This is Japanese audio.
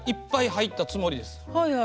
入ったつもりです。